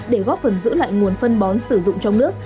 để góp phần giữ lại nguồn phân bón sử dụng trong nước